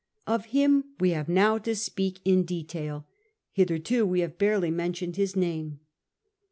Of him we have now to speak in detail ; hitherto we have barely mentioned his name.